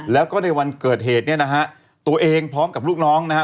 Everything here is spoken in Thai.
แล้วก็ในวันเกิดเหตุเองพร้อมกับลูกน้องนะฮะ